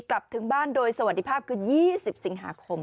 กลับถึงบ้านโดยสวัสดีภาพคือ๒๐สิงหาคม